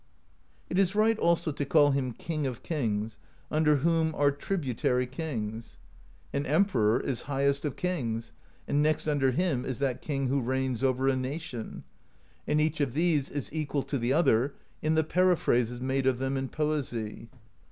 It is right also to call him King of Kings, under whom are tributary kings. An emperor is highest of kings, and next under him is that king who reigns over a nation; and each of these is equal to the other in the periphrases made of them in poesy.